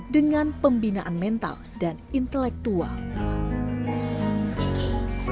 dengan pembinaan mental dan intelektual